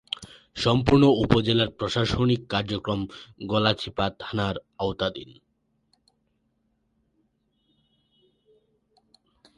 সম্পূর্ণ উপজেলার প্রশাসনিক কার্যক্রম গলাচিপা থানার আওতাধীন।